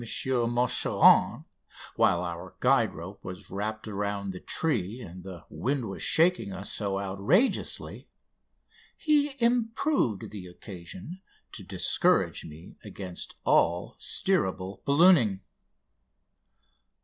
Machuron, while our guide rope was wrapped around the tree and the wind was shaking us so outrageously, he improved the occasion to discourage me against all steerable ballooning.